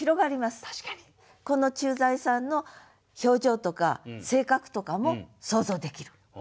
この駐在さんの表情とか性格とかも想像できる。